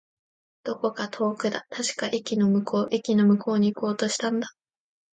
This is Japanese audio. どこか遠くだ。確か、駅の向こう。駅の向こうに行こうとしたんだ。